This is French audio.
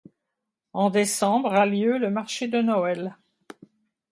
En décembre, a lieu le marché de Noël.